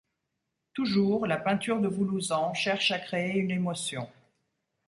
Toujours, la peinture de Voulouzan cherche à créer une émotion.